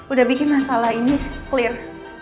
udah bikin masalah ini sih clear